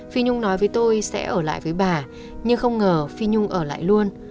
phí nhung nói với tôi sẽ ở lại với bà nhưng không ngờ phí nhung ở lại luôn